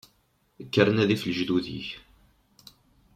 Kker nadi ɣef lejdud-ik.